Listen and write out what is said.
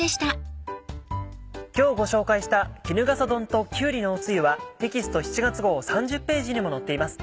今日ご紹介した衣笠丼ときゅうりのお汁はテキスト７月号３０ページにも載っています。